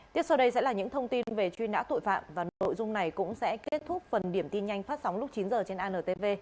tiếp sau đây sẽ là những thông tin về truy nã tội phạm và nội dung này cũng sẽ kết thúc phần điểm tin nhanh phát sóng lúc chín h trên antv